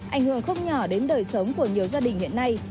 ảnh hưởng không nhỏ đến đời sống của nhiều gia đình hiện nay